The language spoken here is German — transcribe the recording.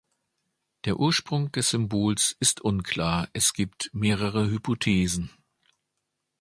Der Ursprung des Symbols ist unklar, es gibt mehrere Hypothesen.